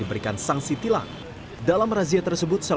mungkin nanti kita pelaksananya akan hentik